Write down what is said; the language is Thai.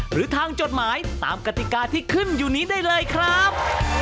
หรือทางจดหมายตามกติกาที่ขึ้นอยู่นี้ได้เลยครับ